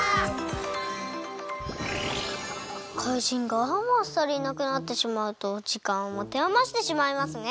怪人がああもあっさりいなくなってしまうとじかんをもてあましてしまいますね。